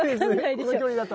この距離だと。